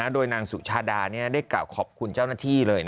โดยนางสุชาดาได้กล่าวขอบคุณเจ้าหน้าที่เลย